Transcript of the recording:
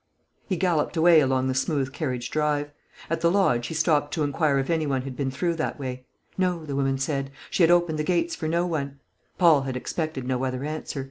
He galloped away along the smooth carriage drive. At the lodge he stopped to inquire if any one had been through that way. No, the woman said; she had opened the gates for no one. Paul had expected no other answer.